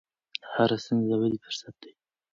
هره ستونزه د ودې فرصت دی.